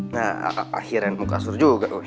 nah akhirnya mukasur juga weh